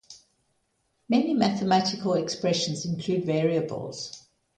Many mathematical expressions include variables.